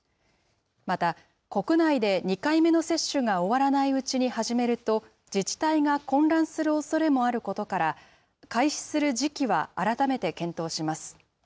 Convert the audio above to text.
また、国内で２回目の接種が終わらないうちに始めると、自治体が混乱するおそれもあることから、開始する時期は改めて検討します。